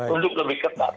untuk lebih ketat